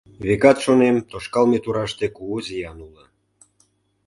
Векат, шонем, тошкалме тураште кугу зиян уло.